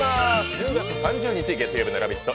１０月３０日、月曜日の「ラヴィット！」